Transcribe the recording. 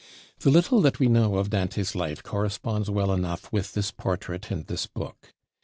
The little that we know of Dante's life corresponds well enough with this Portrait and this Book.